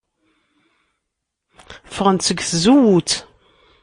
Ffɣent seg tzewwut.